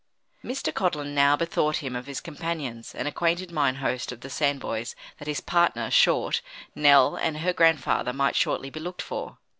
Mr. Codlin now bethought him of his companions, and acquainted mine host of the Sandboys that his partner Short, Nell and her grandfather might shortly be looked for.